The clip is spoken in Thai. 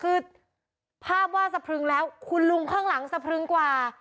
คือภาพว่าสะพรึงแล้วคุณลุงข้างหลังสะพรึงกว่า